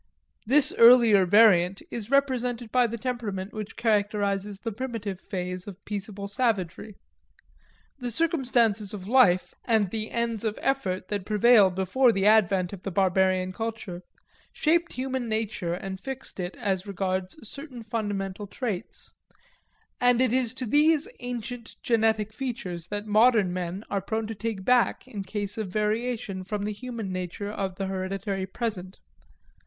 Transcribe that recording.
This earlier variant is represented by the temperament which characterizes the primitive phase of peaceable savagery. The circumstances of life and the ends of effort that prevailed before the advent of the barbarian culture, shaped human nature and fixed it as regards certain fundamental traits. And it is to these ancient, generic features that modern men are prone to take back in case of variation from the human nature of the hereditary present.